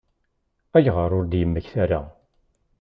Ayɣer ur d-yemmekta ara?